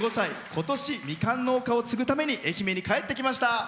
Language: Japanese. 今年みかん農家を継ぐために愛媛に帰ってきました。